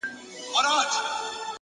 په سپورمۍ كي ستا تصوير دى؛